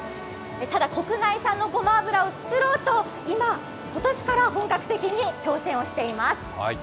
ただ国内産のごま油を作ろうと今年から本格的に挑戦しています。